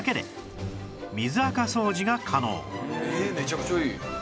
「えめちゃくちゃいい！」